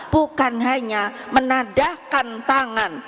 bukan hanya menadahkan tangan